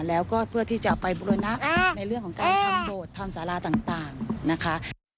แล้วก็เพื่อที่จะไปบุรณะในเรื่องของการทำโบสถ์ทำสาราต่างนะคะ